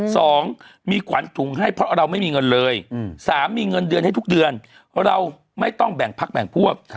สองมีขวัญถุงให้เพราะเราไม่มีเงินเลยสามมีเงินเดือนให้ทุกเดือนเราไม่ต้องแบ่งพักแบ่งพวก